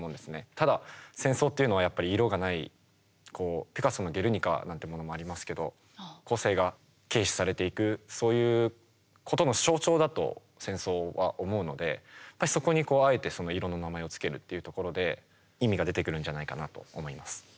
ただ戦争っていうのは色がないピカソの「ゲルニカ」なんてものもありますけど個性が軽視されていくそういうことの象徴だと戦争は思うのでやっぱりそこにあえて色の名前を付けるっていうところで意味が出てくるんじゃないかなと思います。